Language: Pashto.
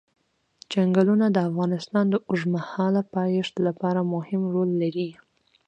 چنګلونه د افغانستان د اوږدمهاله پایښت لپاره مهم رول لري.